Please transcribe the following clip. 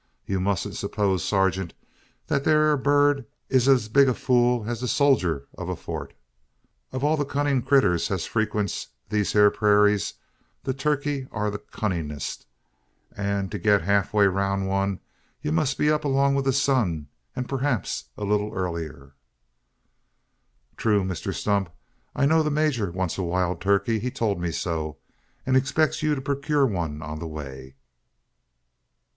Ye mustn't surpose, surgint, that thet ere bird air as big a fool as the sodger o' a fort. Of all the cunnin' critters as ferquents these hyur purayras, a turkey air the cunninest; an to git helf way roun' one o' 'em, ye must be up along wi' the sun; and preehap a leetle urlier." "True, Mr Stump. I know the major wants a wild turkey. He told me so; and expects you to procure one on the way."